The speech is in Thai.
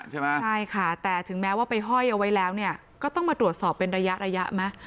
ใช่ค่ะแต่ถึงแม้ว่าไปห้อยเอาไว้แล้วก็ต้องมาตรวจสอบเป็นระยะชีวิตมา